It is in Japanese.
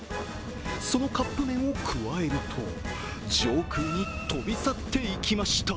そのカップ麺をくわえると、上空に飛び去っていきました。